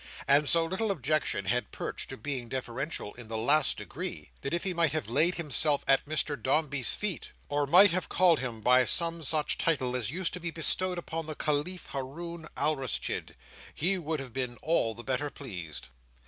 And so little objection had Perch to being deferential in the last degree, that if he might have laid himself at Mr Dombey's feet, or might have called him by some such title as used to be bestowed upon the Caliph Haroun Alraschid, he would have been all the better pleased.